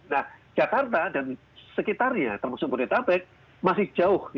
nah jakarta dan sekitarnya termasuk bodetabek masih jauh